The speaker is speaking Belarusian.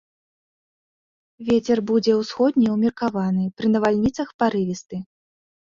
Вецер будзе ўсходні ўмеркаваны, пры навальніцах парывісты.